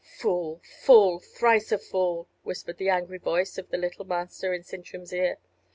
"Fool, fool! thrice a fool!" whispered the angry voice of the little Master in Sintram's ear.